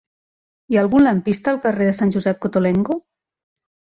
Hi ha algun lampista al carrer de Sant Josep Cottolengo?